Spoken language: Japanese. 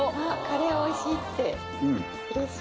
「カレーおいしい」って嬉しい